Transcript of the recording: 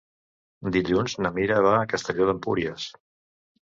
Dilluns na Mira va a Castelló d'Empúries.